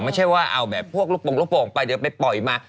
ไม่ใช่ว่าเอาแบบพวกลูกโป่งลูกโป่งไปเดี๋ยวไปปล่อยมา